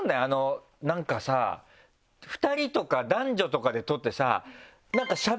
なんかさ２人とか男女とかで撮ってさ。